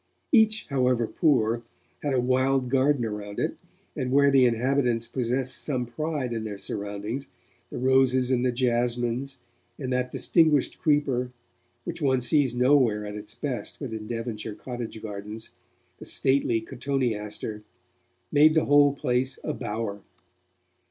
Each, however poor, had a wild garden around it, and, where the inhabitants possessed some pride in their surroundings, the roses and the jasmines and that distinguished creeper, which one sees nowhere at its best but in Devonshire cottage gardens, the stately cotoneaster, made the whole place a bower.